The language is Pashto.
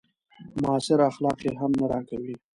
معاصر اخلاق يې هم نه راکوي.